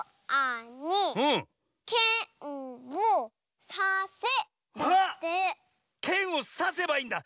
けんをさせばいいんだ！